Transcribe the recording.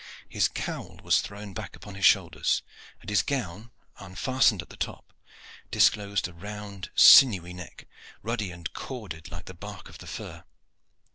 His cowl was thrown back upon his shoulders, and his gown, unfastened at the top, disclosed a round, sinewy neck, ruddy and corded like the bark of the fir.